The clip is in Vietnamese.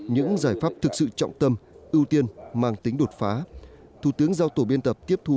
những giải pháp thực sự trọng tâm ưu tiên mang tính đột phá thủ tướng giao tổ biên tập tiếp thu